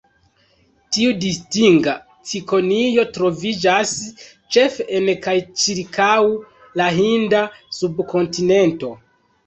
Tiu distinga cikonio troviĝas ĉefe en kaj ĉirkaŭ la Hinda subkontinento.